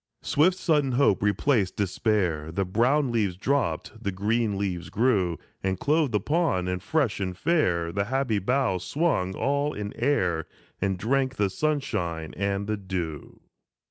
Swift sudden hope replaced despair ; The brown leaves dropped, the green leaves grew, And clothed upon, and fresh and fair, The happy boughs swung all in air, And drank the sunshine and the dew.